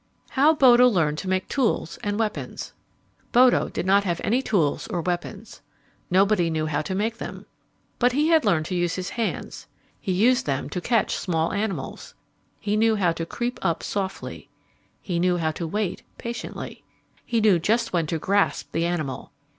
How Bodo Learned to Make Tools and Weapons Bodo did not have any tools or weapons. Nobody knew how to make them. But he had learned to use his hands. He used them to catch small animals. He knew how to creep up softly. He knew how to wait patiently. He knew just when to grasp the animal.